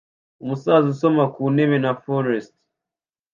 Umusaza usoma ku ntebe na forrest